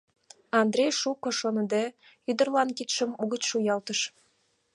Андрей, шуко шоныде, ӱдырлан кидшым угыч шуялтыш.